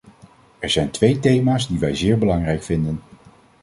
Er zijn twee thema's die wij zeer belangrijk vinden.